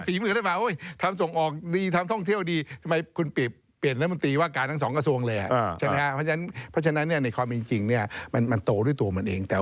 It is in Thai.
คือถ้าสองอันเนี่ยฝีมือรัฐบาลนะเขาไม่ปรับรัฐบาลมนตรีออกนะครับ